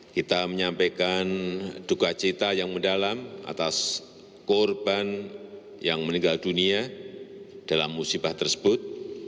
kita menyampaikan duka cita yang mendalam atas korban yang meninggal dunia dalam musibah tersebut